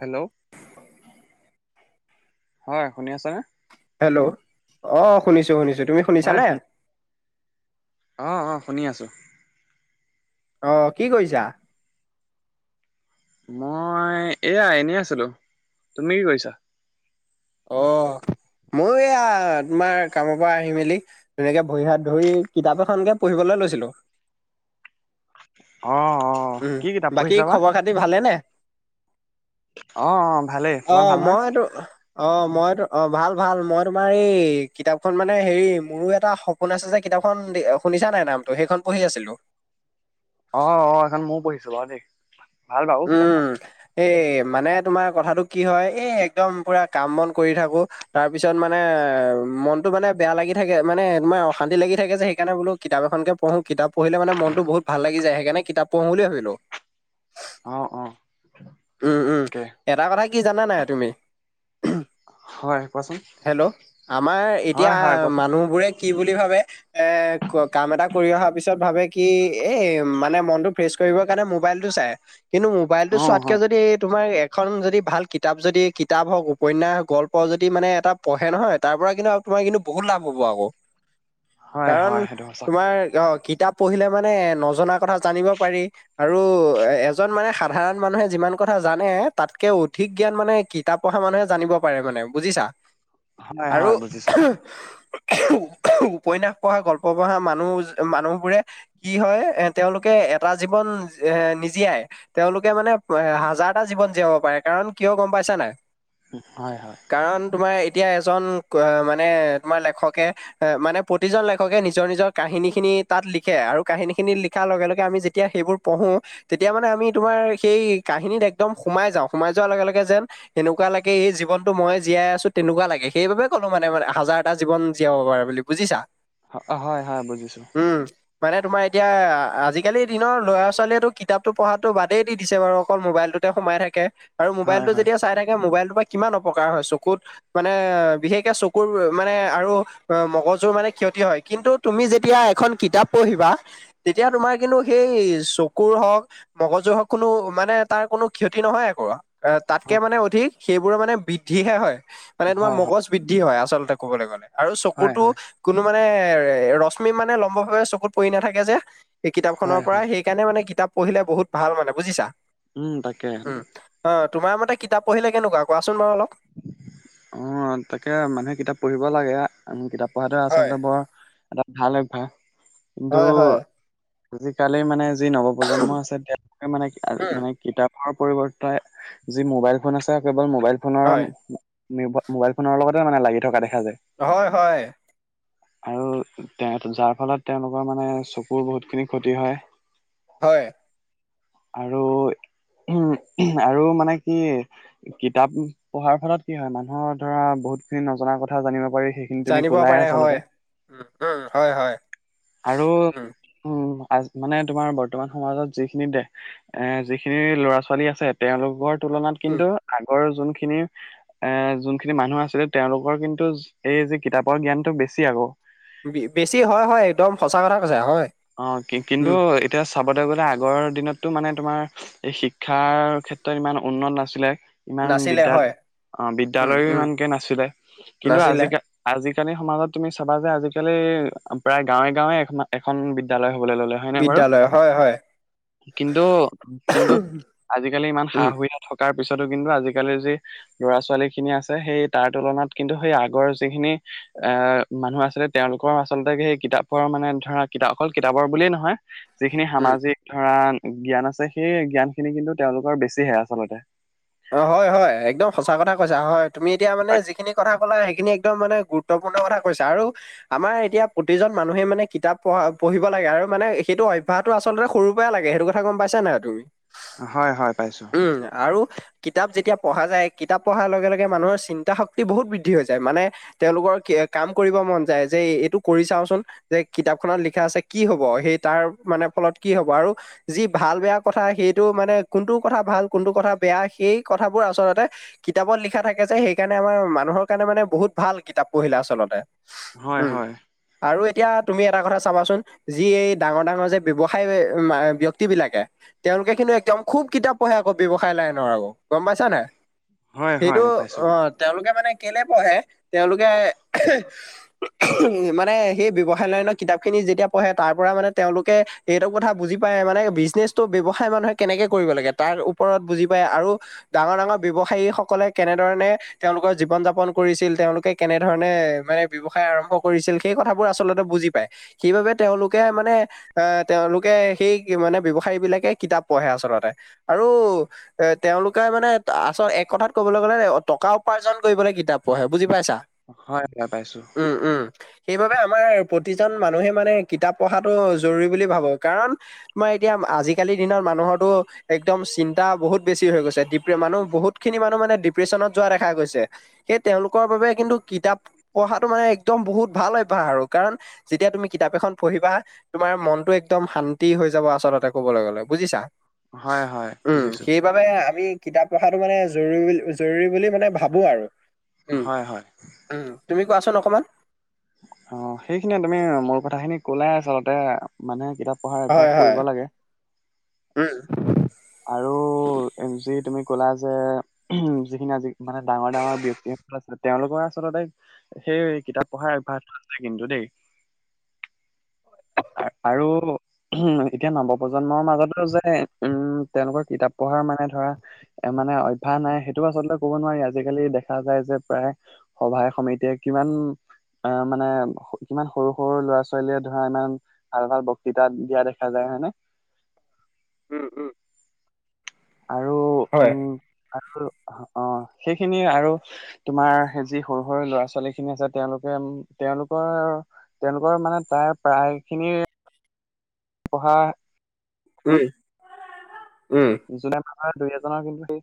Hello হয় শুনি আছানে। হেল্ল' অ' শুনিছো শুনিছো তুমি শুনিছানে। অ' অ' শুনি আছোঁ। অ' কি কৰিছা। মই এয়া এনেই আছিলো তুমি কি কৰিছা অ' ময়ো এয়া তোমাৰ কামৰ পা আহি মেলি তেনেকে ভৰি হাত ধুই কিতাপ এখনকে পঢ়িবলৈ লৈছিলো অ' অ' কি কিতাপ পঢ়িছা বা আপুনি ভালে নে অঁ অঁ ভালেই। অ তোমাৰ ভাল নহয়? মই তো অ' মই তো অ' ভাল ভাল মই তোমাৰ এই কিতাপখন মানে হেৰি মোৰো এটা সপ সপোন আছে যে কিতাপখন শুনিছা নাই নামটো সেইখন পঢ়ি আছিলো। অ' অ' এইখন ময়ও পঢ়িছো বাউ দেই ভাল বাউ কিতাপখন এ মানে তোমাৰ কথাটো কি হয় এই একদম পুৰা কাম বন কৰি থাকো তাৰ পিছত মানে মনতো মানে বেয়া লাগি থাকে মানে তোমাৰ অশান্তি লাগি থাকে যে সেইকাৰণে বোলো কিতাপ এখনকে প়ঢ়ো কিতাপ পঢ়িলে মানে মনতো বহুত ভাল লাগি যায় সেইকাৰণে কিতাপ পঢ়ো বুলি ভাবিলো। অ' অ' উম, উম, তাকে এটা কথা কি জানা নাই তুমি হয় কোৱাচোন। হেল্ল' আমাৰ এতিয়া হয় হয় কোৱাচোন। মানুহবোৰে কি বুলি ভাবে এ কাম এটা কৰি অহাৰ পিছত ভাবে কি এই মানে মনটো ফ্ৰেচ কৰিবৰ কাৰণে মোবাইল টো চাই কিন্তু মোবাইলটো অঁ চোৱাত হয়। কে তোমাৰ এখন যদি ভাল কিতাপ যদি কিতাপ হওক উপন্যাস গল্প যদি মানে এটা পঢ়ে নহয় তাৰ পৰা কিন্তু আপোনাৰ কিন্তু বহুত লাভ হ'ব আকৌ হয় কাৰণ হয় সেইটো সঁচা কথা। তোমাৰ অ' কিতাপ পঢ়িলে মানে এ নজনা কথা জানিব পাৰি আৰু এ এজন মানে সাধাৰণ মানুহে যিমান কথা জানে তাতকে অধিক জ্ঞান মানে কিতাপ পঢ়া মানুহে জানিব পাৰে মানে বুজিছা হয় আৰু হয় বুজিছোঁ। উপন্যাস পঢ়া গল্প পঢ়া মানুহ মানুহ বোৰে কি হয় এ তেওঁলোকে এটা জীৱন এ নিজিয়াই তেওঁলোকে মানে হাজাৰটা জীৱন জীয়াব পাৰে কাৰণ কিয় গম পাইছা নে নাই হয় হয় কাৰণ তোমাৰ এতিয়া এজন মানে তোমাৰ লেখকে এ মানে প্ৰতিজন লেখকে নিজৰ নিজৰ কাহিনীখিনি তাত লিখে আৰু কাহিনীখিনি লিখাৰ লগে লগে আমি যেতিয়া সেইবোৰ পঢ়ো তেতিয়া মানে আমি তোমাৰ সেই কাহিনীত একদম সোমাই যাওঁ সোমাই যোৱাৰ লগে লগে যেন এনেকুৱা লাগে এই জীৱনতো মই জীয়াই আছো তেনেকুৱা লাগে সেইবাবে ক'লো মানে মানে হাজাৰটা জীৱন জীয়াব পাৰে বুলি বুজিছা অ হয় হয় বুজিছো উম মানে তোমাৰ এতিয়া আজিকালি দিনৰ ল'ৰা ছোৱালীয়েতো কিতাপটো পঢ়াতো বাদেই দি দিছে বাৰু অকল মোবাইলটোতে সোমাই থাকে আৰু হয় মোবাইলটো হয়। যেতিয়া চাই থাকে মোবাইলটোৰ পা কিমান অপকাৰ হয় চকুত মানে বিশেষকে চকুৰ মানে আৰু মগজুৰ মানে ক্ষতি হয় কিন্তু তুমি যেতিয়া এখন কিতাপ পঢ়িবা তেতিয়া তোমাৰ কিন্তু সেই চকুৰ হওক মগজুৰ হওক কোনো মানে তাৰ কোনো ক্ষতি নহয় একো এ তাতকে মানে অধিক সেইবোৰৰ মানে বৃদ্ধিহে হয় মানে তোমাৰ হয় হয়। মগজ বৃদ্ধি হয় আচলতে ক'বলে গলে আৰু হয় হয়। হয় চকুটো হয়। কোনো মানে এ ৰশ্মি মানে লম্বভাৱে চকুত পৰি নাথাকে যে এই কিতাপখনৰ হয় পৰা হয়। সেই সেইকাৰনে কিতাপ পঢ়িলে বহুত ভাল মানে বুজিছা? উম তাক উম অ তোমাৰ মতে কিতাপ পঢ়িলে কেনেকুৱা কোৱাচোন বাৰু অলপ। অ তাকে মানে কিতাপ পঢ়িব লাগে। আমি কিতাপ পঢ়াটো হয় আচলতে বৰ এটা ভাল অভ্যাস কিন্তু হয় হয় আজিকালি মানে যি নৱপ্ৰজন্ম আছে তেওঁলোকে মানে উম মানে কিতাপ পঢ়াৰ পৰিৱৰ্তে যি মোবাইলফোন আছে কেৱল মোবাইল ফোনৰ হয় মো-মোবাইল ফোনৰ লগতে মানে লাগি থকা দেখা যায়। হয় হয়। আৰু তে যাৰ ফলত তেওঁলোকৰ মানে চকুৰ বহুতখিনি ক্ষতি হয়। হয়। আৰু [unintelligible] আৰু মানে কি কিতাপ পঢ়াৰ ফলত কি হয় মানুহৰ ধৰা বহুতখিনি নজনা কথা জানিব পাৰি সেই জানিব পাৰে হয় হয় হয়। আৰু উম আজ মানে তোমাৰ বৰ্তমান সমাজত যিখিনি দে এ যিখিনি ল'ৰা ছোৱালী আছে তেওঁলোকৰ তুলনাত উম কিন্তু আগৰ যোনখিনি এ যোনখিনি মানুহ আছিলে তেওঁলোকৰ কিন্তু এই যে কিতাপৰ জ্ঞানটো বেছি আকৌ। বে-বেছি হয় হয় একদম সঁচা কথা কৈছা হয়। অ কি-কিন্তু উম এতিয়া চাবলৈ গ'লে আগৰ দিনতটো মানে তোমাৰ এই শিক্ষাৰ ক্ষেত্ৰত ইমান উন্নত নাছিলে। ইমান নাছিলে বিদ্যা হয় অ উম বিদ্যালয়ো উম ইমানকে নাছিলে, কিন্তু নাছিলে আজিকা আজিকালি সমাজত তুমি চাবা যে আজিকালি প্ৰায় গাঁৱে গাঁৱে এ এখন বিদ্যালয় হবলৈ ললে। হয়নে বাৰু? বিদ্যালয় হয় হয় কিন্তু কিন্তু আজিকালি ইমান সা উম সুবিধা থকাৰ পিছতো কিন্তু আজিকালি যি ল'ৰা ছোৱালীখিনি আছে সেই তাৰ তুলনাত কিন্তু সেই আগৰ যিখিনি এ মানুহ আছিলে তেওঁলোকৰ আচলতে সেই কিতাপৰ মানে ধৰা কিতাপ অকল কিতাপৰ বুলিয়েই নহয় যিখিনি উম সামাজিক ধৰা জ্ঞান আছে সেই জ্ঞানখিনি কিন্তু তেওঁলোকৰ বেছিহে আচলতে। অ হয় হয় একদম সঁচা কথা কৈছা হয় তুমি এতিয়া মানে হয় যিখিনি কথা কলা সেইখিনি একদম মানে গুৰুত্ তপূৰ্ণ কথা কৈছে আৰু আমাৰ এতিয়া প্ৰতিজন মানুহে মানে কিতাপ পঢ়া পঢ়িব লাগে আৰু মানে সেইটো অভ্যাস টো আচলতে সৰুৰ পৰাই লাগে সেইটো কথা গম পাইছ নাই আৰু তুমি? অ হয় হয় পাইছো। উম আৰু কিতাপ যেতিয়া পঢ়া যায় কিতাপ পঢ়াৰ লগে লগে মানুহৰ চিন্তা শক্তি বহুত বৃদ্ধি হৈ যায় মানে তেওঁলোকৰ কে কাম কৰিব মন যায় যে এইটো কৰি চাওচোন। যে কিতাপখনত লিখা আছে কি হব সেই তাৰ মানে ফলত কি হব আৰু যি ভাল বেয়া কথা সেইটো মানে কোনটো কথা ভাল কোনটো কথা বেয়া সেই কথাবোৰ আচলতে কিতাপত লিখা থাকে যে সেইকাৰণে আমাৰ মানুহৰ কাৰণে মানে বহুত ভাল কিতাপ পঢ়িলে আচলতে। হয় উম হয়। আৰু এতিয়া তুমি এটা কথা চাবাচোন যি এই ডাঙৰ ডাঙৰ যে ব্যৱসায় ব্যক্তিবিলাকে তেওঁলোকে কিন্তু একদম খুব কিতাপ পঢ়ে আকৌ ব্যৱসায় লাইনৰ আকৌ। গম পাইছা নায়? হয় সেইটো হয় পাইছো অ তেওঁলোকে মানে কেনে পঢ়ে তেওঁলোকে মানে সেই ব্যৱসায় লাইনৰ কিতাপ খিনি যেতিয়া পঢ়ে তাৰ পৰা মানে তেওঁলোকে এইটো কথা বুজি পায় মানে বিজনেচটো ব্যৱসায় মানুহে কেনেকে কৰিব লাগে তাৰ ওপৰত বুজি পায় আৰু ডাঙৰ ডাঙৰ ব্যৱসায়ী সকলে কেনেধৰণে তেওঁলোকৰ জীৱন যাপন কৰিছিল তেওঁলোকে কেনেধৰণে মানে ব্যৱসায় আৰম্ভ কৰিছিল সেই কথাবোৰ আচলতে বুজি পায়, সেইবাবে তেওঁলোকে মানে আহ তেওঁলোকে সেই মানে ব্যৱসায়ী বিলাকে কিতাপ পঢ়ে আচলতে আৰু এ তেওঁলোকে মানে আচলতে এক কথাত কবলৈ গ'লে টকা উপাৰ্জন কৰিবলৈ কিতাপ পঢ়ে বুজি পাইছা। হয় হয় পাইছো। উম উম। সেইবাবে আমাৰ প্ৰতিজন মানুহে মানে কিতাপ পঢ়াটো জৰুৰী বুলি ভাবো কাৰণ তোমাৰ এতিয়া আজিকালিৰ দিনত মানুহৰটো একদম চিন্তা বহুত বেছি হৈ গৈছে ড মানুহ বহুতখিনি মানে ডিপ্ৰেচনত যোৱা দেখা গৈছে। সেই তেওঁলোকৰ বাবে কিন্তু কিতাপ পঢ়াটো মানে একদম বহুত ভাল অভ্যাস আৰু কাৰণ যেতিয়া তুমি কিতাপ এখন পঢ়িবা তোমাৰ মনটো একদম শান্তি হৈ যাব আচলতে কবলৈ গলে বুজিছা। হয় হয় উম, বুজিছো। সেইবাবে আমি কিতাপ পঢ়াটো মানে জৰু‌ জৰুৰী বুলি মানে ভাবো আৰু। উম, হয় হয়। উম তুমি কোৱাচোন অকণমান? অ সেইখিনিয়ে তুমি মোৰ কথা খিনি কলায় আচলতে মানুহে কিতাপ পঢ়াৰ হয়, অভ্যাস হয়। কৰিব লাগে। উম। আৰু এনজি তুমি কলা যে উ যিখিনি আজি মানে ডাঙৰ ডাঙৰ ব্যক্তিসকল আছে তেওঁলোকৰ আচলতে সেই কিতাপ পঢ়াৰ অভ্যাসটো আছে কিন্তু দেই। [unintelligible] আৰু উ এতিয়া নৱপ্ৰজন্মৰ মাজতো যে উম তেওঁলোকৰ কিতাপ পঢ়াৰ মানে ধৰা এ মানে অভ্যাস নাই সেইটো আচলতে ক'ব নোৱাৰি আজিকালি দেখা যায় যে প্ৰায় সভাই সমিতিয়ে কিমান অ মানে কিমান সৰু সৰু ল'ৰা ছোৱালীয়ে ধৰা ইমান ভাল ভাল বক্তৃতা দিয়া দেখা যায় হয়নে। উম উম। আৰু হয়, উম আৰু অ অহ সেইখিনি আৰু তোমাৰ সেই যি সৰু সৰু ল'ৰা ছোৱালী খিনি আছে তেওঁলোকে তেওঁলোকৰ তেওঁলোকৰ মানে প্ৰয়াই প্ৰায় খিনিৰ পঢ়া উম, উম। জোনে মানুহে এজনৰ কিন্তু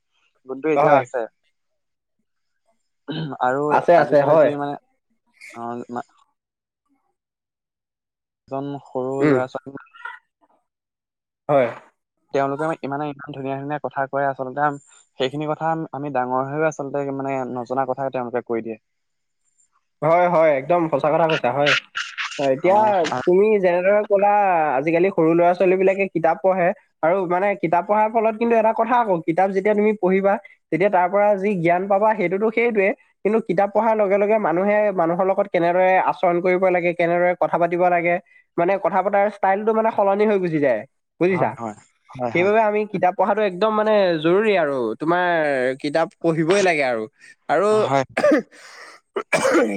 গোন্টো এতিয়াও হয়, আছে। আৰু আছে, আছে, আজিকালি হয়, যি মানে [inaudible] এজন সৰু উম, ল'ৰা ছোৱালী হয়। তেওঁলোকে মানে ইমানে ধুনীয়া ধুনীয়া কথা কয় আচলতে আমি সেইখিনি কথা আমি ডাঙৰ হৈও আচলতে মানে নজনা কথাই তেওঁলোকে কৈ দিয়ে। হয়, হয় একদম সঁচা কথা কৈছা হয়, অ' এতিয়া তুমি যেনেদৰে ক'লা আজিকালি সৰু ল'ৰা ছোৱালী বিলাকে কিতাপ পঢ়ে আৰু মানে কিতাপ পঢ়াৰ ফলত কিন্তু কথা আকৌ, কিতাপ যেতিয়া তুমি পঢ়িবা তেতিয়া তাৰ পৰা যি জ্ঞান পাবা সেইটোতো সেইটোৱে, কিন্তু কিতাপ পঢ়াৰ লগে, লগে মানুহে মানুহৰ লগত কেনেদৰে আচৰণ কৰিব লাগে, কেনেদৰে কথা পাতিব লাগে মানে কথা পতাৰ ষ্টাইলটো মানে সলনি হৈ গুচি যায় বুজিছা, হয় হয় হয় হয় সেইবাবে আমি কিতাপ পঢ়াটো একদম মানে জৰুৰী আৰু তোমাৰ কিতাপ পঢ়িবই লাগে আৰু। আৰু হয়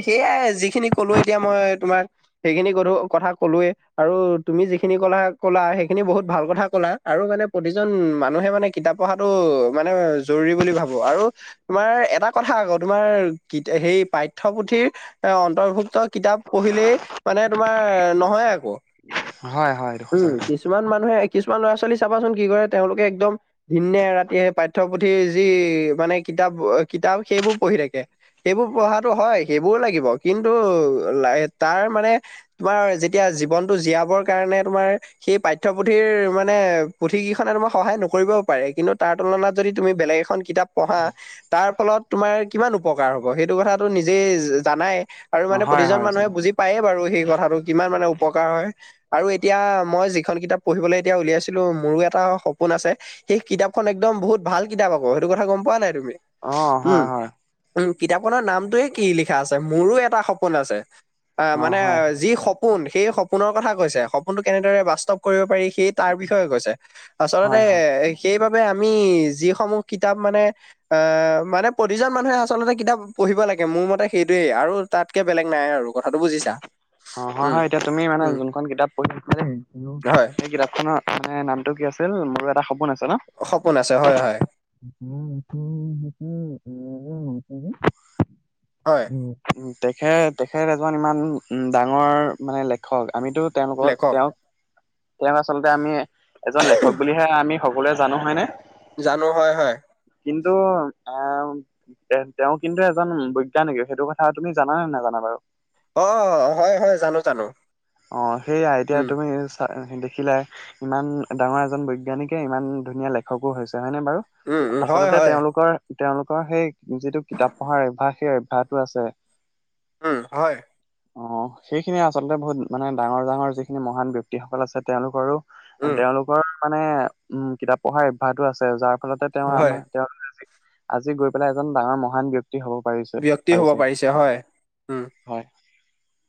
সেয়াই যিখিনি কলোঁ এতিয়া মই তোমাৰ সেইখিনি কলোঁ কথা কলোঁ য়ে আৰু তুমি যিখিনি ক'লা, ক'লা সেইখিনি বহুত ভাল কথা ক'লা। আৰু মানে প্ৰতিজন মানুহে মানে কিতাপ পঢ়াটো মানে জৰুৰী বুলি ভাবোঁ আৰু তোমাৰ এটা কথা আকৌ, তোমাৰ কিতা হেই পাই পাঠ্যপুথিৰ য়ে অন্তৰ্ভুক্ত কিতাপ পঢ়িলেই মানে তোমাৰ, নহয় আকৌ। হয়, হয় এইটো সঁচা কথা। কিমান মানুহে, কিছুমান ল'ৰা ছোৱালী চাবাচোন কি কৰে তেওঁলোকে একদম দিনে ৰাতিয়ে পাঠ্যপুথিৰ যি মানে কিতাপ, কিতাপ সেইবোৰ পঢ়ি থাকে। এইবোৰ পঢ়াটো হয়, সেইবোৰও লাগিব কিন্তু তাৰ মানে তোমাৰ যেতিয়া জীৱনটো জীয়াবৰ কাৰণে তোমাৰ সেই পাঠ্যপুথিৰ মানে পুথি কেইখনে তোমাৰ সহায় নকৰিবও পাৰে, কিন্তু তাৰ তুলনাত যদি তুমি বেলেগ এখন কিতাপ পঢ়া, তাৰ ফলত তোমাৰ কিমান উপকাৰ হ'ব সেইটো কথা নিজেই জানাই আৰু অ, মানে হয় প্ৰতিজন হয় মানুহে বুজি পায়ে বাৰু সেই কথাটো কিমান মানে উপকাৰ হয়। আৰু এতিয়া মই যিখন কিতাপ পঢ়িবলৈ এতিয়া উলিয়াইছিলোঁ, মোৰো এটা সপোন আছে সেই কিতাপখন একদম বহুত ভাল কিতাপ আকৌ, সেইটো কথা গ'ম পোৱা নাই তুমি? অ হয় উ'ম, হয় উ'ম কিতাপখনৰ নাম টোৱেই কি লিখা আছে মোৰো এটা সপোন আছে, অ মানে হয় যি সপো পোন সেই সপোনৰ কথা কৈছে, সপোনটো কেনেদৰে বাস্তৱ কৰিব পাৰি সেই তাৰ বিষয়ে কৈছে, আচলতে হয় হয় সেইবাবে আমি যিসমূহ কিতাপ মানে আ' মানে প্ৰতিজন মানুহে আচলতে কিতাপ পঢ়িব লাগে মোৰ মতে সেইটোয়েই আৰু তাতকে বেলেগ নাই আৰু কথাটো বুজিছা? অ' হয়, উম, হয় এতিয়া তুমি মানে উম, যোনখন কিতাপ পঢ়িছিলা, হয় সেই কিতাপখনৰ মানে নামটো কি আছিল, মোৰ এটা সপোন আছে ন'? সপোন আছে হয়, হয়। [unintelligible] হয়। উ তেখেত, তেখেত এজন ইমান ডাঙৰ মানে লেখক, আমিটো তেওঁলোকক লেখক তেওঁক, তেওঁক আচলতে আমি এজন লেখক বুলিহে আমি ক'বলৈ জানো হয়নে? জানো হয়, হয়। কিন্তু এ' তে-তেওঁ কিন্তু এজন বৈজ্ঞানিক সেইটো কথা তুমি জান নে' নাজানা বাৰু? অ' হয়, হয় জানো, জানো। অ, সেইয়াই এতিয়া উম তুমি আ' দেখিলাই, ইমান ডাঙৰ এজন বৈজ্ঞানিকে ইমান ধুনীয়া লেখকো হৈছে হয়নে বাৰু? উম উম হয় আচলতে হয় তেওঁলোকৰ, তেওঁলোকৰ সেই যিটো কিতাপ পঢ়াৰ অভ্যাস, সেই অভ্যাসটো আছে। উ'ম হয়। অ'! সেইখিনিয়ে আচলতে, বহুত মানে, ডাঙৰ- ডাঙৰ যিখিনি, মহান ব্যক্তিসকল আছে, তেওঁলোকৰো উম তেওঁলোকৰ মানে, উম! কিতাপ পঢ়াৰ অভ্যাসটো আছে, যাৰ ফলতে তেওঁ, হয় আমাৰ তেওঁলোকে আজি, আজি গৈ পেলাই, এজন ডাঙৰ মহান ব্য ক্তি হ'ব পাৰিছে, ব্যক্তি হ'ব পাৰিছেগে। পাৰিছে হয় উম হয়!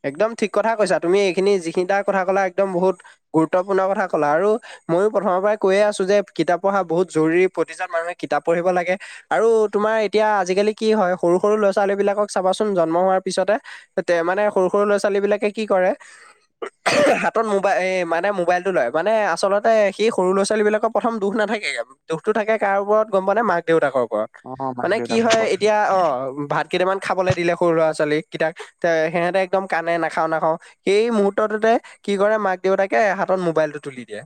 একদম ঠিক কৈছা, তুমি এইখিনি যিখিনি তাৰ, কথা ক'লা, একদম বহুত গুৰুত্বপূৰ্ণ কথা ক'লা! আৰু মইয়ো, প্ৰথমৰ পৰাই কৈয়ে আছোঁ যে, কিতাপ পঢ়া বহুত জৰুৰী। প্ৰতিজন মানুহে, কিতাপ পঢ়িব লাগে। আৰু তোমাৰ, এতিয়া আজিকালি কি হয়! সৰু- সৰু ল'ৰা-ছোৱালীবিলাকক চাবাচোন, জন্ম হোৱাৰ পিছতে? তাতে, মানে সৰু-সৰু ল'ৰা-ছোৱালীবিলাকে কি কৰে, হাতত মোবা, এ মানে, মোবাইলটো লয়। মানে, আচলতে সেই, সৰু ল'ৰা-ছোৱালীবিলাকক প্ৰথম দোষ নাথাকে, দোষটো থাকে কাৰ ওপৰত গম পোৱনে? মাক-দেউতাকৰ ওপৰত। অ মাক মানে কি হয়! দেউতাকৰ এতিয়া, অ'! ভাত কেইটামান খাবলৈ দিলে, সৰু ল'ৰা-ছোৱালী কেইটাক। এ, সেহঁতে একদম, কান্দে নেখাওঁ-নেখাওঁ। এই মুহূৰ্তটোতে কি কৰে, মাক-দেউতাকে? হাতত মোবাইলটো তুলি দিয়ে।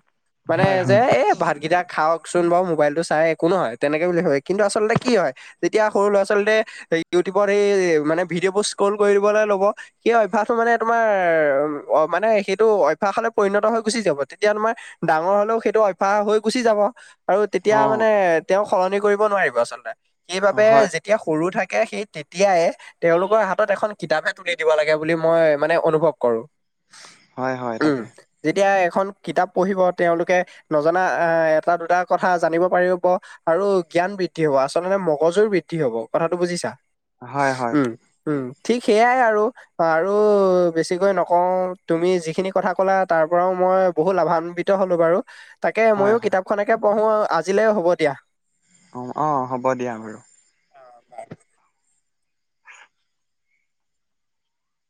মানে, হয় যে হয় এ, ভাত কেইটা খাওঁক চোন বাৰু মোবাইলটো চাই, একো নহয়, তেনেকে বুলি ভাবে। কিন্তু, আচলতে কি হয়! তেতিয়া, সৰু ল'ৰা-ছোৱালীটোৱে, এ ইউটিউবত এই, মানে ভিডিঅবোৰ স্ক্ৰল কৰিবলৈ ল'ব। সেই অভ্যাসটো মানে তোমাৰ, অ' মানে, সেইটো অভ্যাসলে পৰিণত হৈ গুচি যাব। তেতিয়া, তোমাৰ ডাঙৰ হ'লেও সেইটো অভ্যাস হৈ, গুচি যাব। আৰু তেতিয়া অ মানে, তেওঁক সলনি কৰিব নোৱাৰিব, আচলতে। সেইবাবে হয় যে তিয়া সৰু থাকে, সেই তেতিয়াই, তেওঁলোকৰ হাতত এখন কিতাপহে তুলি দিব লাগে বুলি, মই মানে, অনুভৱ কৰোঁ। হয়, হয়, তাকে। যেতিয়া, এখন কিতাপ পঢ়িব তেওঁলোকে, নজনা, আঁ এটা-দুটা কথা জানিব পাৰিব। আৰু জ্ঞান বৃদ্ধি হ'ব। আচলতে, মগজুৰ বৃদ্ধি হ'ব। কথাটো বুজিছা? হয়, হয়। উম, ঠিক সেইয়াই আৰু। অ' আৰু বেছিকৈ নকওঁ, তুমি যিখিনি কথা ক'লা, তাৰ পৰাও মই বহু লাভাম্বি ত হ'লো বাৰু। তাকে, হয় হয় মইয়ো কিতাপখনকে পঢ়োঁ, আজিলে হ'ব দিয়া। অ'! হ'ব দিয়া বাৰু।